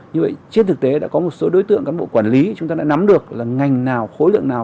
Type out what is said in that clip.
như vậy trên thực tế đã có một số đối tượng cán bộ quản lý chúng ta đã nắm được là ngành nào khối lượng nào